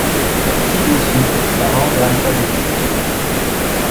Ci-dessous par ordre alphabétique.